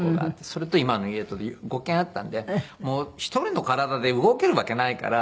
それと今の家とで５軒あったんでもう１人の体で動けるわけないから。